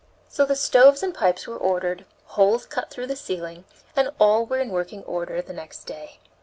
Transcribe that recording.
So the stoves and pipes were ordered, holes cut through the ceiling, and all were in working order next day.